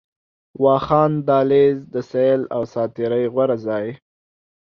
واخان دهلېز، د سيل او ساعتري غوره ځای